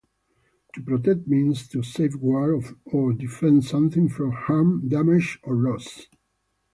To protect means to safeguard or defend something from harm, damage, or loss.